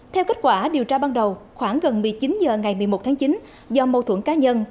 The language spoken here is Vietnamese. theo kết quả điều tra ban đầu khoảng gần một mươi chín h ngày một mươi một tháng chín do mâu thuẫn cá nhân